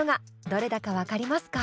どれだか分かりますか？